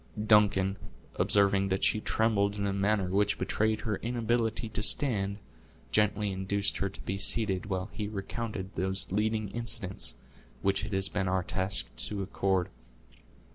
Duncan, observing that she trembled in a manner which betrayed her inability to stand, gently induced her to be seated, while he recounted those leading incidents which it has been our task to accord.